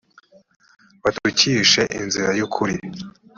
batukishe inzira y’ukuri